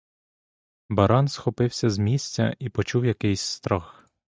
Баран схопився з місця і почув якийсь страх.